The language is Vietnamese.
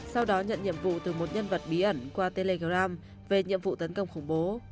sau đó nhận nhiệm vụ từ một nhân vật bí ẩn qua telegram về nhiệm vụ tấn công khủng bố